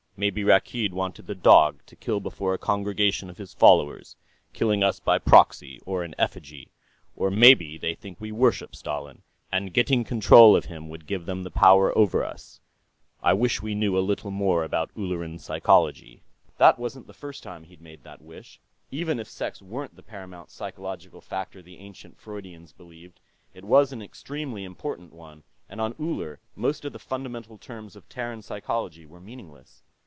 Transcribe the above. Maybe Rakkeed wanted the dog, to kill before a congregation of his followers, killing us by proxy, or in effigy. Or maybe they think we worship Stalin, and getting control of him would give them power over us. I wish we knew a little more about Ulleran psychology." That wasn't the first time he'd made that wish. Even if sex weren't the paramount psychological factor the ancient Freudians believed, it was an extremely important one, and on Uller most of the fundamental terms of Terran psychology were meaningless.